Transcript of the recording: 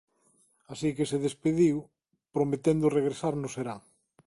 Así que se despediu, prometendo regresar no serán.